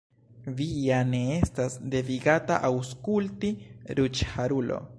Vi ja ne estas devigata aŭskulti, ruĝharulo.